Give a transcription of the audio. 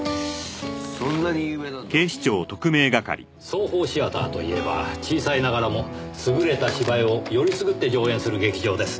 ソーホー・シアターといえば小さいながらも優れた芝居をよりすぐって上演する劇場です。